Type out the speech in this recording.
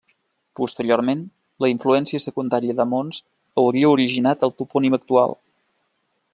Posteriorment la influència secundària de mons hauria originat el topònim actual.